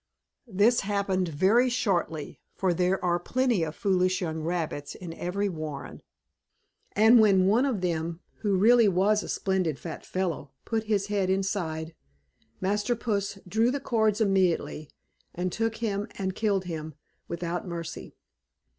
This happened very shortly, for there are plenty of foolish young rabbits in every warren; and when one of them, who really was a splendid fat fellow, put his head inside, Master Puss drew the cords immediately, and took him and killed him without mercy.